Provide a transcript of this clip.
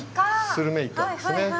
スルメイカですね。